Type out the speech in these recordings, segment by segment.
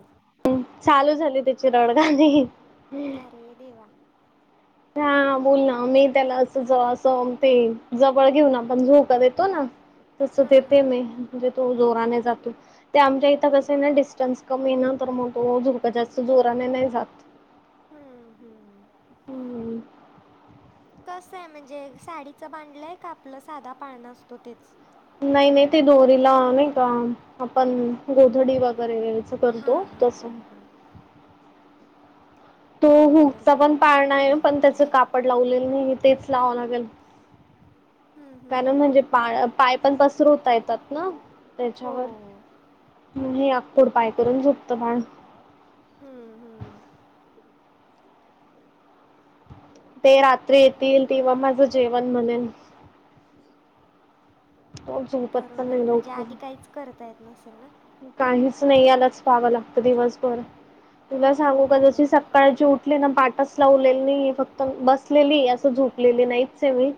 ह हम् चालू झाली त्याची रडगाणी ते देवा हा बोल ना मी त्याला असं जव अस ते जवळ घेऊन आपण झोका देतो ना तस हां हां देते हां मी म्हणजे तो जोराने जातो ते आमच्या इथ कस आहे ना डिस्टन्स कमी आहे ना तर मग तो झोका जास्त तो जोराने नाही जात हम्म हम्म ह हह कसं आहे म्हणजे साडीचं बांधलंय का आपलं साधा पाळणा असतो तेच नाही नाही ते दोरीला नाही का आपण गोधडी वगैरे असं करतो हां हां तस हां हां तो हुग बरं चा बरं पण पाळणा नाही पण त्याचं कापड लावलेलं नाही तेच लावाव लागेल हम्म हम्म त्यानं हम्म म्हणजे पा पाय पण पसरवता येतात ना हो त्याच्यावर हे अकूड पाय करून झोपतं बाळ हहह ते रात्री येतील तेव्हा माझं जेवण बनेल तो झोपत पण बरोबर आहे नाही म्हणजे लवकर. आधी काहीच करता येत नसेल ना काहीच नाही यालाच पाहावं लागत दिवसभर तुला सांगू का जशी सकाळची उठले ना पाटच लावलेली नाही फक्त बस उठलेली झोपलेली नाही मी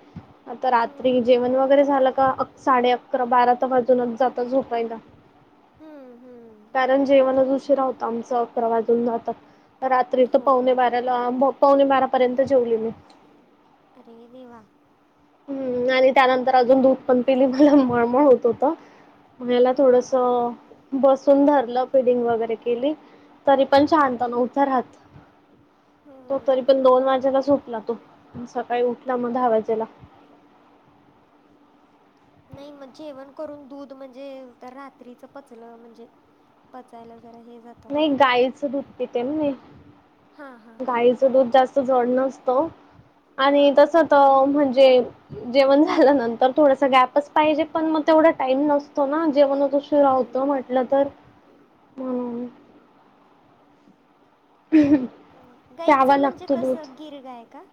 आता रात्री जेवण वगैरे झालं का साडे अकरा अकरा बारा तर वाजूनच जात़ं झोपायला. हम्म हम्. कारण जेवणच उशीरा होतं आमचं, अकरा वाजून जातात. रात्री तर पावणे हो. बाराला, पावणे बारापर्यंत जेवली मी. अरे देवा हम्म,, आणि त्यानंतर अजून दूध पण पिली मला मळमळ होत होत, मला हम्म हम्म थोडस हम्म. बसून धरलं, फिडिंग वगैरे केली, तरी पण हम्म शांत हम्म नवता राहात. तो तरी हम्म पण दोन वाजेला झोपला तो, सकाळी उठला मग दहा वाजेला. नाही मग जेवण करून दूध म्हजे, तर रात्रीचं पचलं, म्हजे पचायला जरा हे जातऽ नाही, गाईच दुध पिते, नैऽ हा हा हा हा गाईचं दूध जास्त जड नसतं, आणि हा. तस तर म्हणजे, जेवण झाल्यानंतर थोडासा गॅपचऽ पाहिजे पण मग तेवढा टाईम नसतो ना, जेवणच ऊशीरा होत हम्म. म्हटलं तर, म्हणून. ह, गाईचं म्हणजे कसं,, गिरगाय का?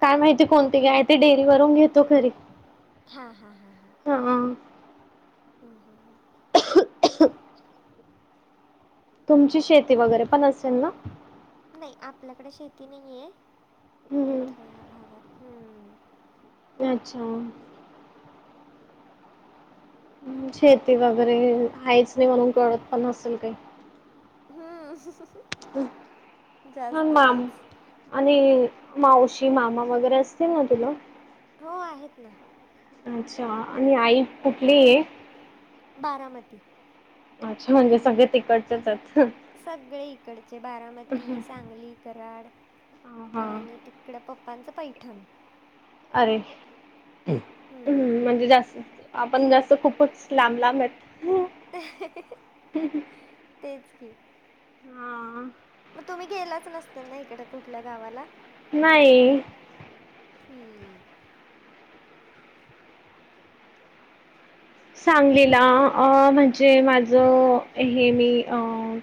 काय माहिती कोणती गाय ते,, डेअरी वरून घेतो खरी, हा हा हा हा,, हम् हम् हम्. [unintelligible] तुमची शेती वगैरऽ शेती वगैरे पण, नाही, आपल्याकडे शेती नाहीये, इथ हम्म या भागात,,, हम्म. अच्छा, शेती वगैरे शेती वगैरे आहेच नाही कळत पण म्हणून, नसेल काही हम, हा माम आणि मावशी मामा वगैरे असतील ना तुला? हो आहेत ना. अच्छा, आणि आई कुठलीय? बारामती. अच्छा म्हणजे सगळे तिकडचेच आहेत सगळी कडचे बारामती, सांगली, कराड, अ हां आणि तिकड पप्पांच पैठण. अरे, हम् हम्म, म्हणजे जास्त आपण जास्त खूपच, लांब लांब आहेत. तेच की. हा मग तुम्ही गेलाच नसतान ना इकडे कुठल्या गावाला? नाही. हम्म. सांगलीला, म्हणजे माझ हे मी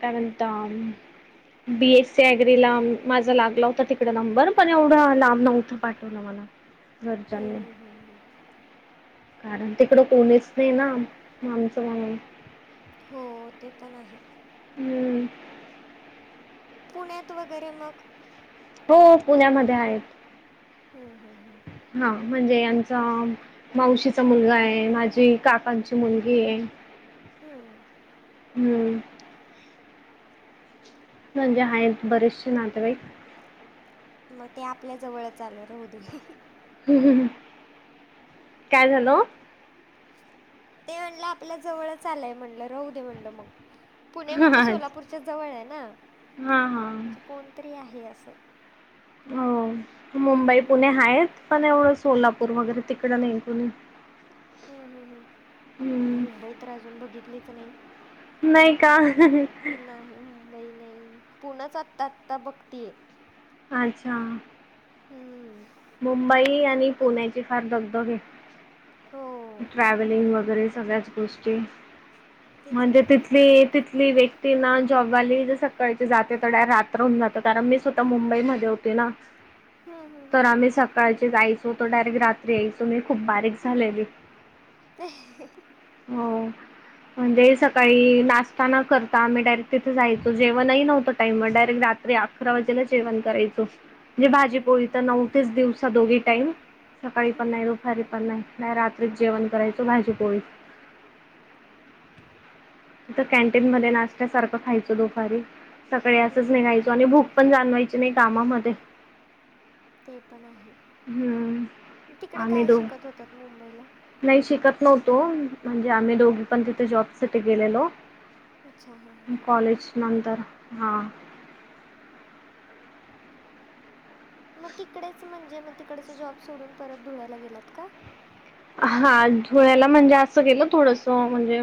त्यानंतर बी एस सी ॲगरीला माझा लागला होता तिकड नंबर, पण एवढ लांब नव्हत पाठवल मला. घरच्यांनी हम्म हम हम् हम. कारण तिकड कोणीच नाही ना आमच म्हणुन. हो, ते पण आहे. हम्म, पुण्यात वगैरे मग हो पुण्यामध्ये आहेत. हम्म, हम्म, हम्म, हा म्हणजे यामच मावशी मुलगा आहे माझी काकांची मुलगी आहे. हम्म. हम्म म्हणजे हायेत बरेचशे नातेवाईक. मग ते आपल्या जवळच आल राहू दे. काय झाल? ते म्हणलं आपल्या जवळच आलय म्हणल, राहु दे म्हणल मग. पुणे म्हणजे हा सोलापूरच्या जवळ आहे ना हा म्हणजे कोणतरी आहे अस. हो मुंबई, पुणे हम्म आहेत पण एवढ सोलापूर वगैरे तिकड नाही कोणी. हम् हम् हम हम्म मुंबई तर अजून बघितलीच नाही. नाही का नाही मुंबई नाही पुनच आता आता बघतीये. अच्छा. हम मुंबई आणि पुण्याची फार दगदगय. हो ट्रॅव्हलिंग वगैरे सगळ्याच गोष्टी. तेच ना म्हणजे तेच ना. तिथली तिथली व्यक्ती ना जॉबवाली सकाळची जाते ते डायरेक्ट रात्र होऊन जातो कारण मी स्वतः मुंबईमध्ये होते ना. हम हम्म हम्म. तर आम्ही सकाळचे जायचो तो डायरेक्ट रात्री यायचो मी खूप बारीक झालेली. [inaudible] हो म्हणजे स काळी नाश्ता न करता आम्ही डायरेक्ट तिथे जायचो जेवणही नव्हत टाईमवर डायरेक्ट रात्री आ करा वाजायला जेवण करायचो. म्हणजे भाजी हम्म पोळी हम्म तर हम्म. न्हवतेचं दिवसा दोघी टाईम सकाळी पण हम्म नाही दु पारी पण नाही नाही रात्रीत जेवण करायचं भाजी- पोळी. तर कॅन्टीन मध्ये नाष्टा सारखं खायचं दुपारी. सकाळी असंच हम्म. निघायचो आणि भूक पण जाणवायची नाही कामामध्ये. ते पण आहे, हम्म मग तिकड आम्ही काय दो शिकत होतात मुंबईला? नाही शिकत नव्हतो म्हणजे आम्ही दोघी पण तिथे जॉबसाठी गेलेलो. अच्छा हां हां हां. कॉलेज नंतर हा. मग तिकडेच म्हणजे मग तिकडच जॉब सोडून परत धुळ्याला गेलात का? हा धुळ्याला म्हणजे असं गेलं थोडस म्हणजे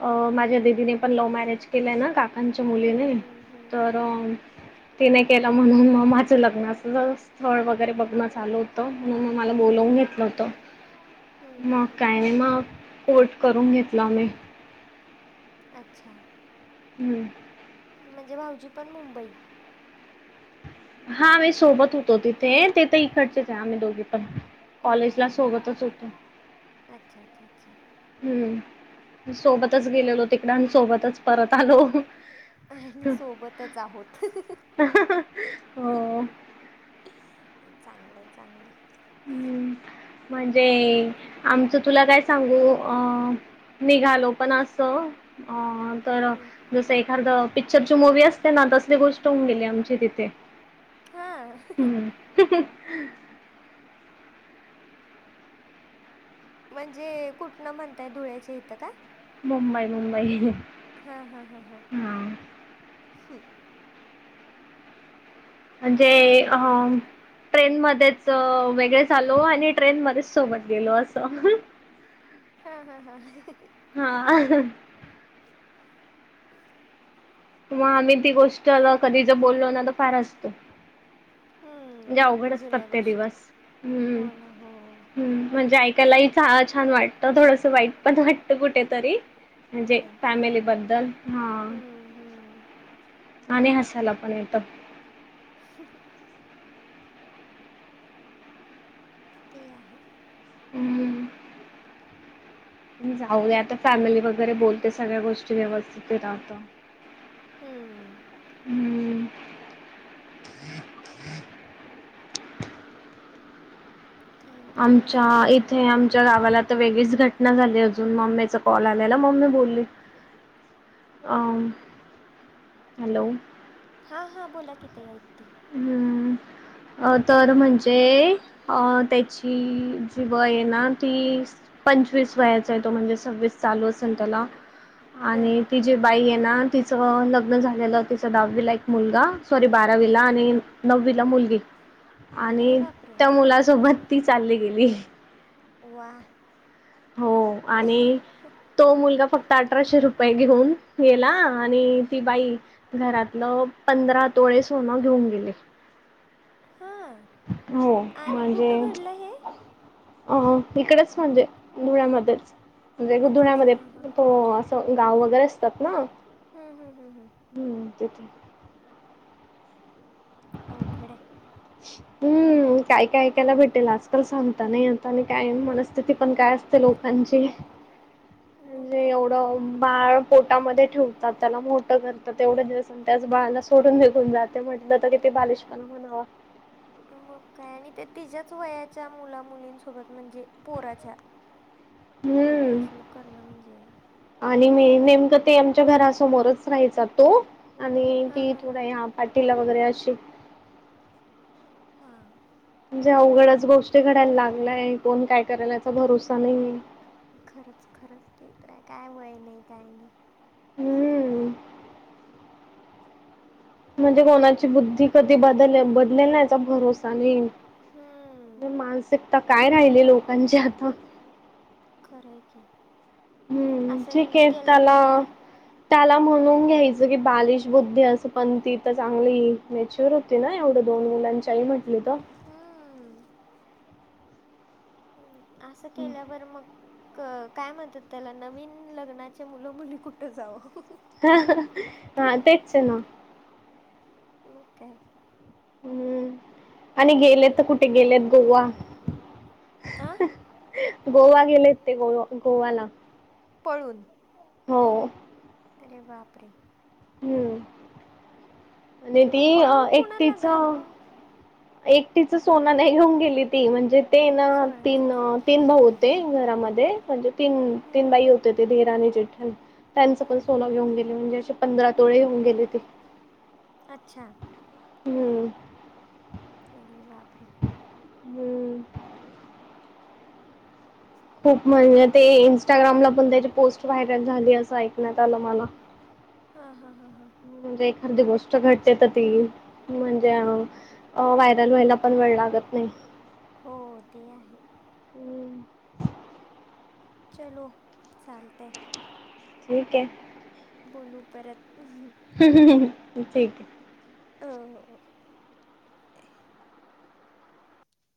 अ माझ्या दी दी ने पण लव्ह मॅरेज केलंय ना काकांच्या हम्म मुलीने हम्म हम्म. तर तिने केलं म्हणून मग माझं लग्नाच स्थळ वगैरे बघण चालू होत म्हणून मग मला बोलावून हं, हं, घेतलं हं. होतं. हं, हं, मग हं. काही नाही मग कोट करून घेतला मी. अच्छा. हम्म. म्हणजे भाऊजी पण मुंबई? हा वे सोबत होतो तिथे तिथ इकडचेच आहे आम्ही दोघे पण हं, कॉलेजला हं, हं, हं. सोबतच होतो. [inaudible] अच्छा अच्छा अच्छा! हम्म! सोबतच गेलेलो तिकड आणि सोबतच परत आलो. ह ह ह. हो. चांगलय चांगलय. हम् म्हणजे आमचं तुला काय सांगू अ निघालो पण असं तर हं. जसं एखारद पिक्चरची मूवी असते ना तसली गोष्ट होऊन गेली आमची तिथे. हा! ह हम. म्हणजे कुठनं म्हणताय धुळ्याच्या इथं का? मुंबई मुंबई. हम्म हम्म हम्म हम्म. हां म्हणजे अ बरं. ट्रेन मध्येच वेगळेच आलो आणि ट्रेन मध्येच सोबत गेलो असं. हा हा हा. हा. [inaudible] किंवा आम्ही ती गोष्ट कधी जर बोललो ना तर फार हसतो. हम्म. म्हणजे अवघड असतात ते दिवस हम्म हो ना, हो. हम्म म्हणजे ऐकायलाही छान वाटतं. तर थोडंसं वाईट पण वाटतं कुठेतरी म्हणजे नाही खरंय. फॅमिलीबद्दल. हां. हं, हं. आणि हसायला पण येतं. [unintelligible] ते आहे हूं जाऊ दे आता. फॅमिली वगैरे बोलते सगळ्या गोष्टी व्यवस्थित राहतो. हं. हूं. काही नाही होऊन आमच्या जातं इथे नंतर आमच्या नीट गावाला तर वेगळीच घटना झाली होती. अजून मम्मीचा कॉल आलेला मम्मी बोलली अ हॅलो हा हा बोला कि ताई ऐकतीये. हुं तर म्हणजे अ त्याची ती जी वय आहे ना ती पंचवीस वयाचा आहे तो म्हणजे सव्वीस चालू असेल त्याला बर आणि ति जी बाई आहे ना तिचं लग्न झालेलं तिचा दहावी ला एक मुलगा सॉरी बारावी वीला आणि नववी ला मुलगी अरे आणि बापरे त्या हां मुलासोबत ती चालली गेली. वा हो आणि तो मुलगा फक्त अठराशे रुपये घेऊन गेला आणि ती बाई घरातलं पंधरा तोळे सोनं घेऊन गेली. हा हो आणि कुठं म्हणजे घडलं हे? अ इकडेच म्हणजे धुळ्यामध्येच म्हणजे अच्छा अच्छा धुळ्यामध्ये हां हां हां तो असं गाव वगैरे असतात ना हा हा हा हा हम्म तेथे. अवघड आहे. हू काय काय ऐकायला भेटेल आजकाल सांगता नाही येत. आणि काय मनस्थिती पण काय असते लोकांची मग म्हणजे काय तर एवढं बाळ पोटामध्ये ठेवतात त्याला मोठं करतात तेवढं दिवस आणि त्याच बाळाला सोडून निघून जाते म्हटलं तरी तै बालिश पणा म्हणावा. मग काय आणि ते तिच्याच वयाच्या मुला मुलींसोबत म्हणजे पोराच्या हे हम्म असलं करणं म्हणजे आणि मी नेमकं ते आमच्या घरासमोरच राहायचा तो आणि हां ती हां थोडं हां या पाठीला वगैरे अशी हां म्हणजे अवघडच गोष्टी घडायला लागलाय कोण काय करल याचा भरोसा नाही खरंच खरंच ते तर आहे काय वय नाही काय नाही हम्म. म्हणजे कोणाची बुद्धी कधी बदले- बदलेल याचा भरोसा नाही. हम्म मानसिकता काय राहिली लोकांची आता. खरंय की, हम्म असं ठीक हेनी आहे त्याला केल्यानंतर त्याला म्हणून घ्यायचं की बालिश बुद्धी असं पण ती तर चांगली नॅच्युर हो ना एवढं दोन मुलांच्या आई म्हटली तर हम्म असं केल्यावर मग काय म्हणतात त्याला नवीन लग्नाचे मुलं मुली कुठं जावं ह हा तेच आहे ना म काय? हम्म.. आणि गेलेत तर कुठे गेलेत गोवा आ गोवा गेलेत ते गोवा-गोव्याला पळून हो.. अरे बाप रे! हम्म आणि ती पळून कुणाला एकटीच घाबरून एकटीच सोन नाही घेऊन गेली ती म्हणजे ते ना तीन सगळ्यांचंच. -तीन भाऊ ते घरामध्ये म्हणजे तीन तीन हम्म हम्म बाई होते ते दीर आणि जेठाणी त्यांचं पण हम्म सोने घेऊन गेले म्हणजे असे पंधरा तोळेे घेऊन गेले ते अच्छा! हम्म.. अरे बाप रे! हम्म खूप म्हणजे ते इंस्टाग्रामला पण त्याची पोस्ट व्हायरल झाली असं ऐकण्यात आलं मला हा हा हा हा... म्हणजे एखादी गोष्ट घटतेेत ती म्हणजे अ - अ व्हायरल व्हायला पण वेळ लागत नाही हो ते आहे चलो चालतय ठीके बोलू परत ठीक हो हो..